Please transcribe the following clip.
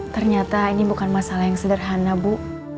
ternyata ini bukan masalah yang sederhana bu